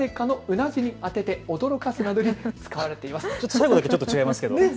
最後だけちょっと違いますけどね。